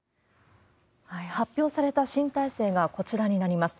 発表された新体制がこちらになります。